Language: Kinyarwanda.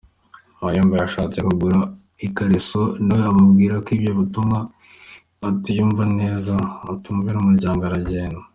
Munyuma yashatse gukura ikareso, nawe amubwira kw'ivyo vyotuma atiyumva neza, atumbera umuryango, aragenda.